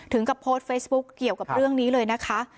กับโพสต์เฟซบุ๊คเกี่ยวกับเรื่องนี้เลยนะคะ